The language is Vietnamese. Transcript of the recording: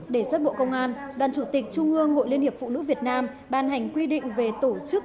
đề xuất bộ công an đoàn chủ tịch trung ương hội liên hiệp phụ nữ việt nam ban hành quy định về tổ chức